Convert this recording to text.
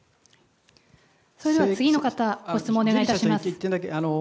それでは次の方、ご質問お願いします。